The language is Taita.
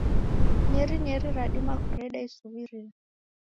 Nyerinyeri radima kureda isuwirio.